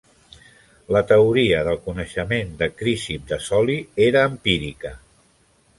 La teoria del coneixement de Crisip de Soli era empírica.